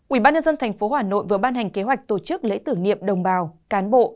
ủy ban nhân dân thành phố hà nội vừa ban hành kế hoạch tổ chức lễ tử nghiệm đồng bào cán bộ